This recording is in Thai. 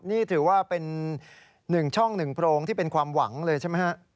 นี่ถือว่าเป็น๑ช่อง๑โพรงที่เป็นความหวังเลยใช่ไหมฮะ